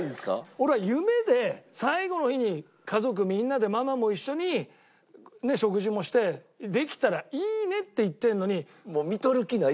俺は夢で最期の日に家族みんなでママも一緒に食事もしてできたらいいねって言ってるのに。